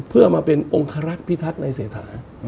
เพื่อมาเป็นองค์คลักษณ์พิทักษ์ในเสถา